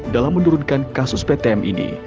dalam menurunkan kasus ptm ini